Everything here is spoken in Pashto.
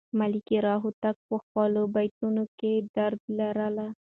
ملکیار هوتک په خپلو بیتونو کې درد لاره.